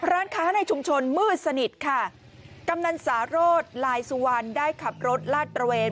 ร้านค้าในชุมชนมืดสนิทค่ะกำนันสาโรธลายสุวรรณได้ขับรถลาดตระเวน